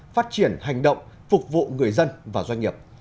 phát triển hành động phục vụ người dân và doanh nghiệp